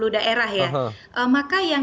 daerah ya maka yang